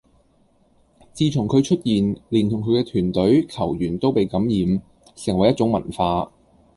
自從佢出現，連同佢嘅團隊、球員都被感染，成為一種文化